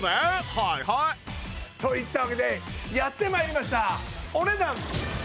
はいはいといったわけでやって参りました！